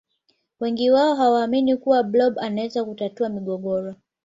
wengi wao hawaamini kuwa blob anaweza kutatua migogoro